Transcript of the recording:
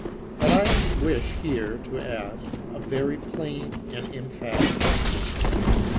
But I wish here to ask a very plain and emphatic question.